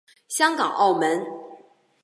香港澳门